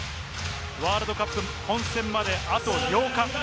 ワールドカップ本戦まであと８日。